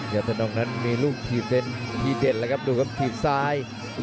ยอดธนงนั้นมีลูกทีมที่เด็ดนะครับดูครับทีมซ้าย